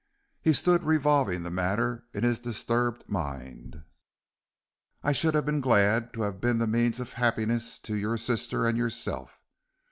He stood revolving the matter in his disturbed mind. "I should have been glad to have been the means of happiness to your sister and yourself.